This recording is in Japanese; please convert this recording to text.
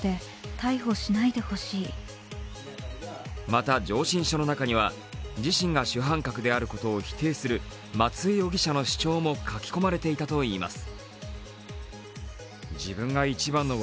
また、上申書の中には自身が主犯格であることを否定する松江容疑者の主張も書き込まれていたといいます。